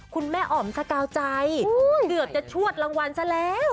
คุณแม่อ๋อมสกาวใจเกือบจะชวดรางวัลซะแล้ว